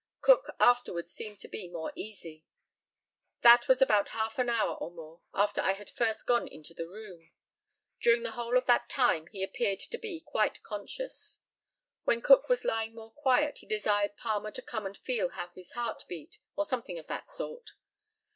Cook afterwards seemed to be more easy. That was about half an hour or more after I had first gone into the room. During the whole of that time he appeared to be quite conscious. When Cook was lying more quiet he desired Palmer to come and feel how his heart beat, or something of that sort.